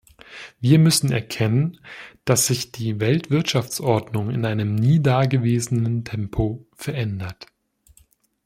Wir müssen erkennen, dass sich die Weltwirtschaftsordnung in einem nie da gewesenen Tempo verändert.